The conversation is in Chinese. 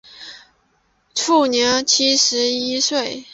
卒年七十一岁。